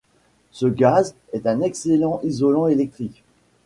Ce gaz est un excellent isolant électrique.